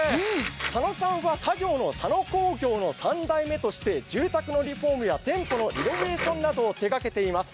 佐野さんは家業の佐野工業の三代目として、住宅のリフォームや店舗のリノベーションなどを手がけています。